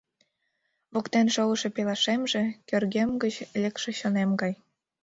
Воктен шогышо пелашемже — кӧргем гыч лекше чонем гай.